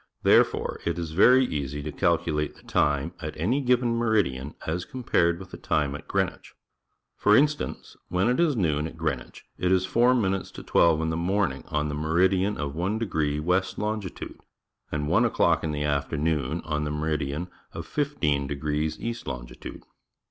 Therefore it is very easy to calculate the time at any given meridian as compared with the time at Greenwich. For instance, when it is noon at Greenwich, it is four minutes to twelve in the morning on the meridian of 1° west longitude, and one o'clock in the afternoon on the meridian of 15° east longi tude.